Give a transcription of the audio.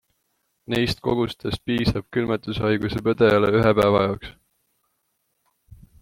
Neist kogustest piisab külmetushaiguse põdejale ühe päeva jaoks.